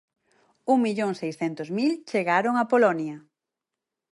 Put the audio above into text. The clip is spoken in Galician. Un millón seiscentos mil chegaron a Polonia.